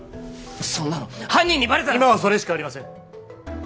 そんなの犯人にバレたら今はそれしかありません